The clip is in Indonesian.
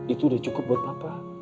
itu udah cukup buat apa